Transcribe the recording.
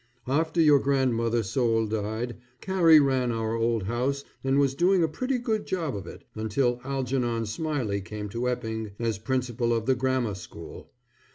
After your Grandmother Soule died, Carrie ran our old house and was doing a pretty good job of it, until Algernon Smiley came to Epping as principal of the grammar school.